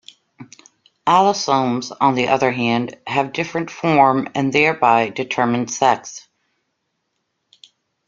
Allosomes, on the other hand, have different form and thereby determine sex.